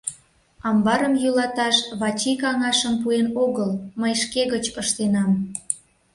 Амбарым йӱлаташ Вачи каҥашым пуэн огыл, мый шке гыч ыштенам...